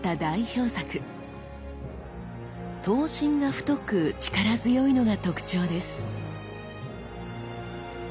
刀身が太く力強いのが特徴です。